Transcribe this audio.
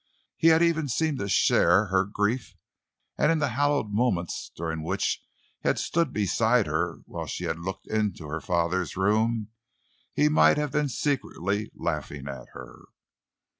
He had even seemed to share her grief; and in the hallowed moments during which he had stood beside her while she had looked into her father's room, he might have been secretly laughing at her!